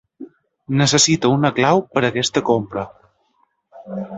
Necessito una clau per aquesta compra.